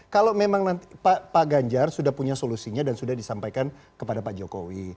kalau memang pak ganjar sudah punya solusinya dan sudah disampaikan kepada pak jokowi